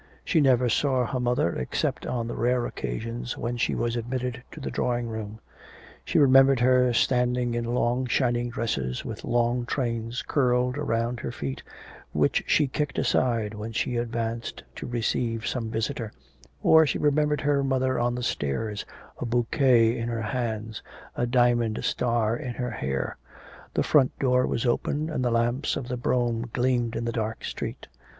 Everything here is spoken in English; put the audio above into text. She never saw her mother except on the rare occasions when she was admitted to the drawing room; she remembered her standing in long shining dresses with long trains curled around her feet, which she kicked aside when she advanced to receive some visitor; or she remembered her mother on the stairs, a bouquet in her hand, a diamond star in her hair; the front door was open, and the lamps of the brougham gleamed in the dark street.